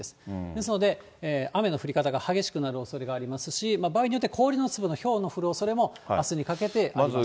ですので雨の降り方が激しくなるおそれがありますし、場合によっては氷の粒のひょうの降るおそれもあすにかけてありま